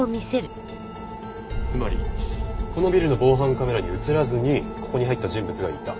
つまりこのビルの防犯カメラに映らずにここに入った人物がいた。